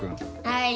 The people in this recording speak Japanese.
はい。